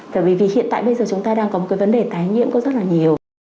tại vì hiện tại bây giờ chúng ta đang có một cái vấn đề tái nhiễm có rất là nhiều